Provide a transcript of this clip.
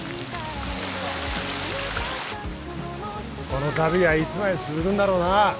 この旅はいつまで続くんだろうな？